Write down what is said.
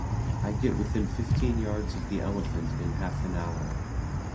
I get within fifteen yards of the elephant in half an hour.